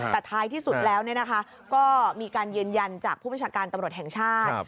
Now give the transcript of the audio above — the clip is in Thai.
แต่ท้ายที่สุดแล้วก็มีการยืนยันจากผู้ประชาการตำรวจแห่งชาติ